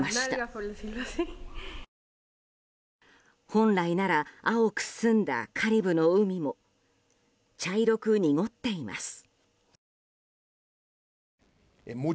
本来なら青く澄んだカリブの海も茶色く濁っています。